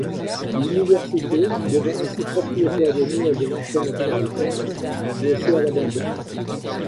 L'Université devint ainsi propriétaire des murs de l'ancien Observatoire, laissé à l'abandon.